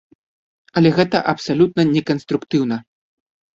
Але гэта абсалютна неканструктыўна.